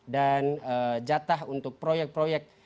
dan jatah untuk proyek proyek